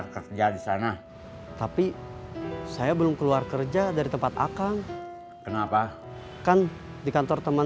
kopi mengukur oke